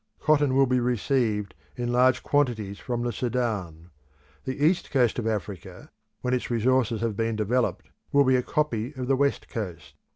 Cotton will be received in large quantities from the Sudan. The East Coast of Africa, when its resources have been developed, will be a copy of the West Coast.